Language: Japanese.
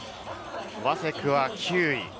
ワセクは９位。